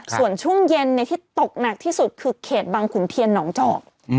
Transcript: ส่วนช่วงเย็นที่ตกหนักที่สุดคือเขตบังขุนเทียนหนองจอก